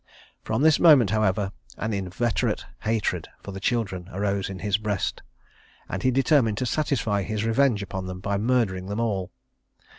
From this moment, however, an inveterate hatred for the children arose in his breast, and he determined to satisfy his revenge upon them by murdering them all.